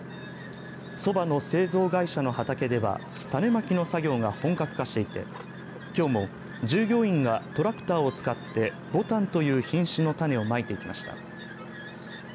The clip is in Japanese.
そばの製造会社の畑では種まきの作業が本格化していてきょうも従業員がトラクターを使ってボタンという品種の種をまいていました。